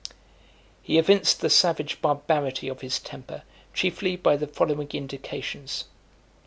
XXVII. He evinced the savage barbarity of his temper chiefly by the following indications.